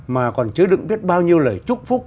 mà còn chứa đựng biết bao nhiêu lời chúc phúc